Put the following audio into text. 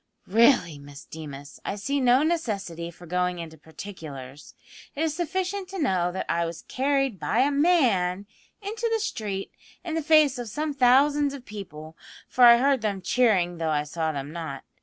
"Really, Miss Deemas, I see no necessity for going into particulars. It is sufficient to know that I was carried by a man into the street in the face of some thousands of people, for I heard them cheering though I saw them not.